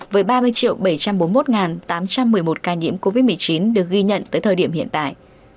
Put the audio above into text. với ba mươi bảy trăm bốn mươi một tám trăm một mươi một ca nhiễm covid một mươi chín được ghi nhận tới thời điểm hiện tại